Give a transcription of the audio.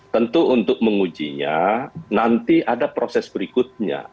tentu untuk mengujinya nanti ada proses berikutnya